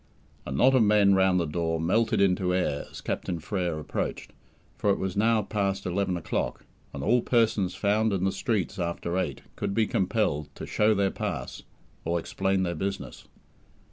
A knot of men round the door melted into air as Captain Frere approached, for it was now past eleven o'clock, and all persons found in the streets after eight could be compelled to "show their pass" or explain their business.